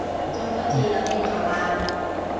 中秋節有咩做啊